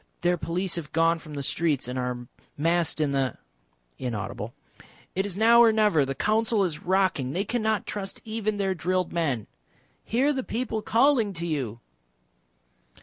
Their police have gone from the streets and are massed in the. " [inaudible] "It is now or never. The Council is rocking They cannot trust even their drilled men " "Hear the people calling to you!"